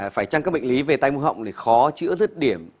phải trăng các bệnh lý về tai mũi họng thì khó chữa rứt điểm